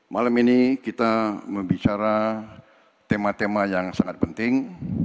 malam ini kita membicara tema tema yang sangat penting